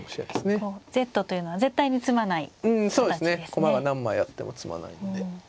駒が何枚あっても詰まないので。